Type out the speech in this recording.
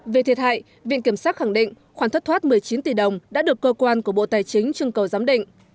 về thiệt hại viện kiểm sát khẳng định khoản thất thoát một mươi chín tỷ đồng đã được cơ quan của bộ tài chính chương cầu giám định